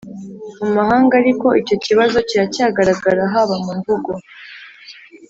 Mu mahanga ariko icyo kibazo kiracyagaragara haba mu mvugo